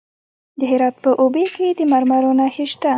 د هرات په اوبې کې د مرمرو نښې شته.